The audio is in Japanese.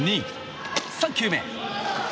３球目。